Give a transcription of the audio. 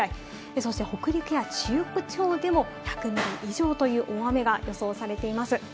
そして北陸や中国地方でも１００ミリ以上という大雨が予想されています。